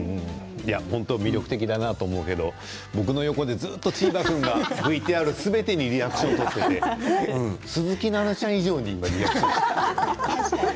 本当に魅力的だなと思うけど僕の横でずっとチーバくんがＶＴＲすべてにリアクションを取っていて鈴木奈々ちゃん以上に。